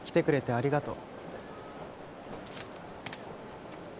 ありがとう。